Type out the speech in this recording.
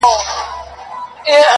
ستا پر ځنگانه اكثر,